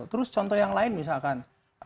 terus contoh yang lain misalkan